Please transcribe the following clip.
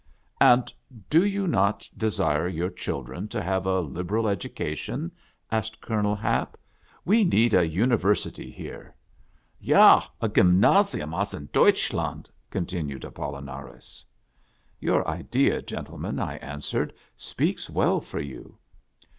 " And do not you desire your children to have a liberal education ?" asked Colonel Hap :•' we need a University here." " Ja, a gymnasium, as in Deutschland !" continued Apollinaris. " Your idea, gentlemen," I answered, " speaks well for you.